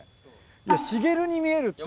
「茂」に見えるって。